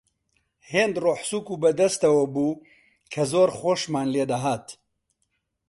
هێند ڕۆحسووک و بە دەستەوە بوو کە زۆر خۆشمان لێ دەهات